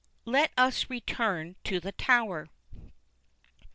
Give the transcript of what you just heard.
Let us return to the Tower.